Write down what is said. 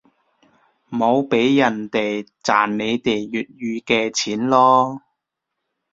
唔好畀人哋賺你哋粵語嘅錢囉